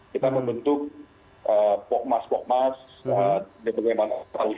kita membentuk pokmas pokmas pokmas yang berkumpul di desa tersebut